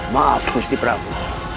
maaf gusti prabu